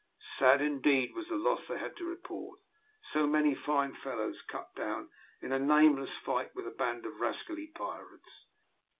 Sad indeed was the loss they had to report so many fine fellows cut down in a nameless fight with a band of rascally pirates.